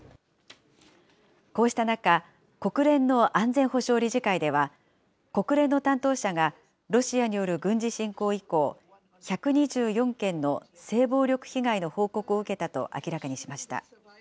こうした中、国連の安全保障理事会では、国連の担当者が、ロシアによる軍事侵攻以降、１２４件の性暴力被害の報告を受けたと明らかにしました。